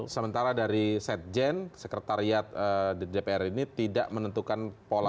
sementara dari set chain sekretariat dpr ini tidak menentukan pola yang beraku gitu ya